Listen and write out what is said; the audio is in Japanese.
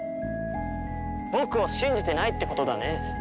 僕を信じてないってことだね。